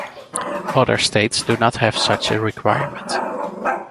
Other states do not have such a requirement.